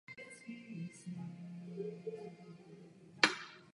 Na východě lze považovat za hranici rozšíření řeku Moravu.